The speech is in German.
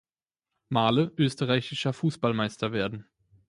Male Österreichischer Fußballmeister werden.